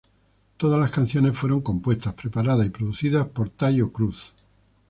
Todas las canciones fueron compuestas, preparadas y producidas por Taio Cruz.